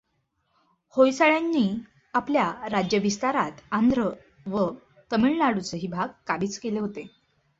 होयसाळांनी आपल्या राज्यविस्तारात आंध्र व तमिळनाडूचेही भाग काबिज केले होते.